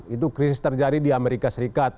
itu krisis terjadi di amerika serikat